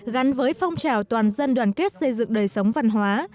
gắn với phong trào toàn dân đoàn kết xây dựng đời sống văn hóa